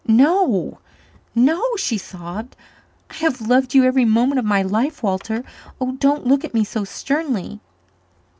"No no," she sobbed. "I have loved you every moment of my life, Walter. Oh, don't look at me so sternly."